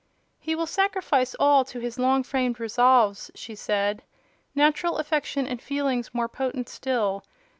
"He will sacrifice all to his long framed resolves," she said: "natural affection and feelings more potent still.